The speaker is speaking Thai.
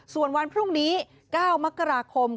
ส่วนวันพรุ่งนี้๙มกราคม